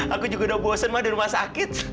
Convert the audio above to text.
aku juga udah bosan ma di rumah sakit